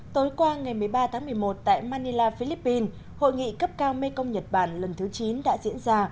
tối qua ngày một mươi ba tháng một mươi một tại manila philippines hội nghị cấp cao mekong nhật bản lần thứ chín đã diễn ra